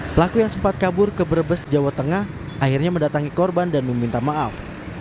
pelaku yang sempat kabur ke brebes jawa tengah akhirnya mendatangi korban dan meminta maaf